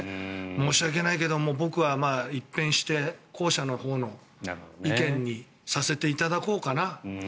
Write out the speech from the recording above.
申し訳ないけども僕は一転して後者のほうの意見にさせていただこうかな。